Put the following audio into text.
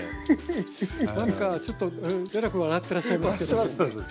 なんかちょっとえらく笑ってらっしゃいますけども。